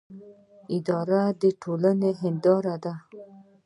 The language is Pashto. اداره د ټولنې هنداره ده